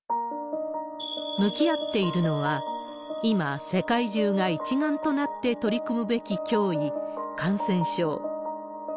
向き合っているのは、今、世界中が一丸となって取り組むべき驚異、感染症。